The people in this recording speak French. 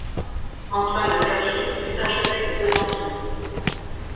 Antoine de Vergy fut archevêque de Besançon.